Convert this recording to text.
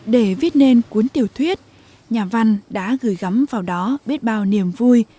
để viết nên cuốn tiểu thuyết nhà văn đã gửi gắm vào đó biết bao niềm vui